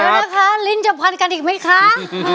เดี๋ยวนะคะลิ้นจะพันกันอีกไหมคะ